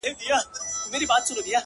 درد ناځوانه بيا زما- ټول وجود نيولی دی-